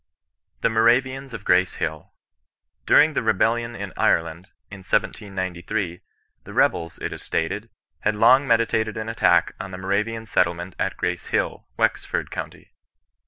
THE HOBAYIANS OF QBACE HILL. During the rebellion in Ireland, in 1793, the rebels, it is stated, had long meditated an attack on the Moravian settlement at Grace Hill, Wexford county.